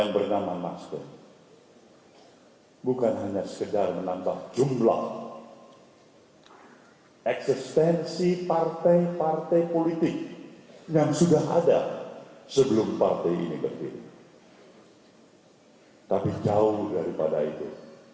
pertimbangan utamanya adalah keberhasilan partai nasdem memperoleh peningkatan suara di pemilu dua ribu sembilan belas